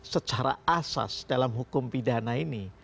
secara asas dalam hukum pidana ini